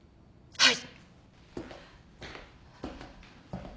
はい！